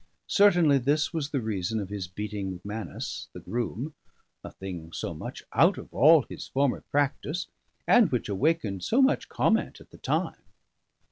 Certainly this was the reason of his beating M'Manus, the groom, a thing so much out of all his former practice, and which awakened so much comment at the time.